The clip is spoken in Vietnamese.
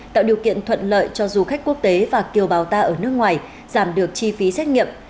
tạo điều kiện thuận lợi cho du khách quốc tế và kiều bào ta ở nước ngoài giảm được chi phí xét nghiệm